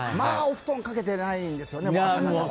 布団かけて寝ないんですよね。